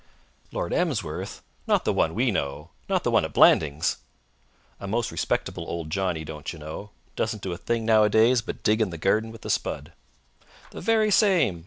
"Lord Emsworth? Not the one we know? Not the one at Blandings?" A most respectable old Johnnie, don't you know. Doesn't do a thing nowadays but dig in the garden with a spud. "The very same.